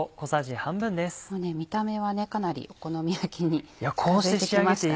見た目はかなりお好み焼きに近づいてきましたね。